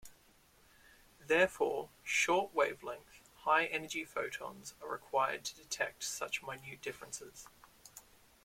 Therefore, short wavelength high energy photons are required to detect such minute differences.